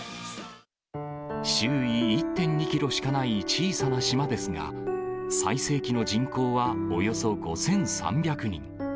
周囲１．２キロしかない小さな島ですが、最盛期の人口はおよそ５３００人。